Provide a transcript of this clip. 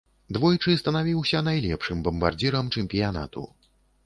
Двойчы станавіўся найлепшым бамбардзірам чэмпіянату.